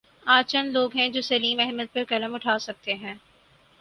آج چند لوگ ہیں جو سلیم احمد پر قلم اٹھا سکتے ہیں۔